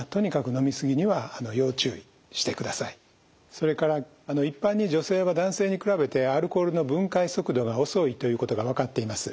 それから一般に女性は男性に比べてアルコールの分解速度が遅いということが分かっています。